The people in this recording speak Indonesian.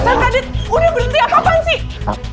sarkadit udah berhenti apaan sih